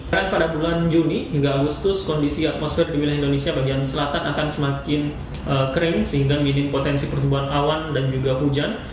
karena pada bulan juni hingga agustus kondisi atmosfer di wilayah indonesia bagian selatan akan semakin kering sehingga minim potensi pertumbuhan awan dan juga hujan